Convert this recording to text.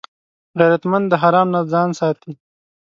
غیرتمند د حرام نه ځان ساتي